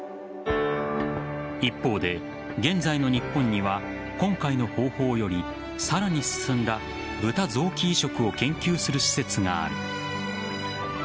一方で現在の日本には今回の方法よりさらに進んだブタ臓器移植を研究する施設がある。